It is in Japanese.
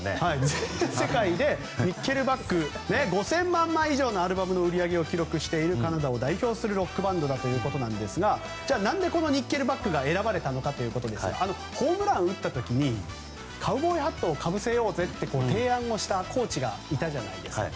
全世界でニッケルバック５０００万枚以上のアルバムの売り上げを記録しているカナダを代表するロックバンドということですがではなぜ、このニッケルバックが選ばれたのかということですがホームランを打った時にカウボーイハットをかぶせようぜと提案をしたコーチがいたじゃないですか。